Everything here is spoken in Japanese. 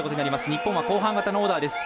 日本は後半型のオーダーです。